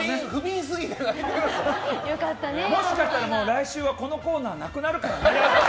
もしかしたら来週はこのコーナーなくなるかもね。